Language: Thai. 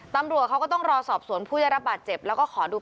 ตำรวจเขาก็ต้องรอสอบสวนผู้ได้รับบาดเจ็บแล้วก็ขอดู